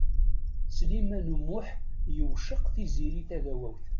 Sliman U Muḥ yewceq Tiziri Tagawawt.